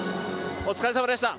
お疲れさまでした。